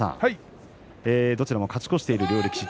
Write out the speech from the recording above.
どちらも勝ち越している両力士。